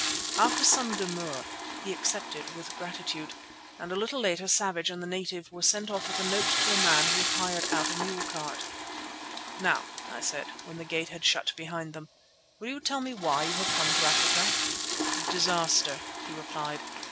After some demur he accepted with gratitude, and a little later Savage and the native were sent off with a note to a man who hired out a mule cart. "Now," I said when the gate had shut behind them, "will you tell me why you have come to Africa?" "Disaster," he replied.